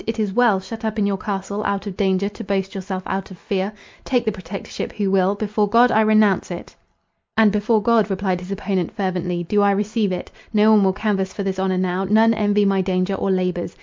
It is well, shut up in your castle, out of danger, to boast yourself out of fear. Take the Protectorship who will; before God I renounce it!" "And before God," replied his opponent, fervently, "do I receive it! No one will canvass for this honour now—none envy my danger or labours.